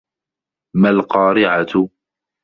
مَا القارِعَةُ